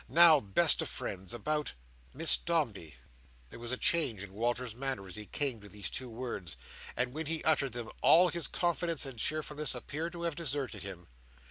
Now, best of friends, about—Miss Dombey." There was a change in Walter's manner, as he came to these two words; and when he uttered them, all his confidence and cheerfulness appeared to have deserted him.